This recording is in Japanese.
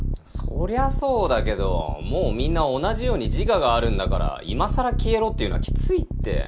そりゃそうだけどもうみんな同じように自我があるんだから今更消えろっていうのはキツいって。